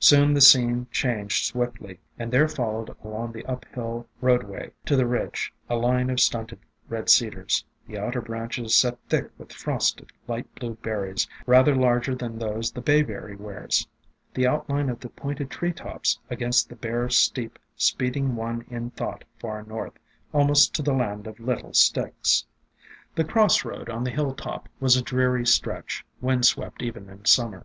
Soon the scene changed swiftly, and there followed along the uphill road way to the Ridge a line of stunted Red Cedars, the outer branches set thick with frosted, light blue berries rather larger than those the Bayberry wears, the outline of the pointed tree tops against the bare steep speeding one in thought far north, almost to the "Land of Little Sticks." The cross road on the hilltop was a dreary stretch, wind swept even in Summer.